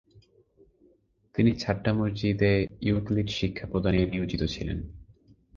তিনি ছাট্টা মসজিদে ইউক্লিড শিক্ষা প্রদানে নিয়োজিত ছিলেন।